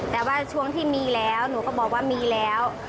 แต่ว่าช่วงที่มีแล้วหนูก็บอกว่ามีแล้ว